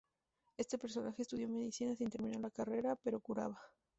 Este personaje estudió medicina, sin terminar la carrera, pero curaba.